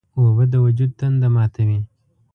اوبه د وجود تنده ماتوي.